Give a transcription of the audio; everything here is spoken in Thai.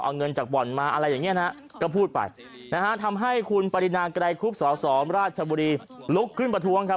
เอาเงินจากบ่อนมาอะไรอย่างนี้นะก็พูดไปนะฮะทำให้คุณปรินาไกรคุบสสราชบุรีลุกขึ้นประท้วงครับ